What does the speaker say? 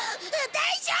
大丈夫！？